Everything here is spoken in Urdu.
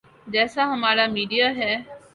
جیسا ہمارا میڈیا ہے۔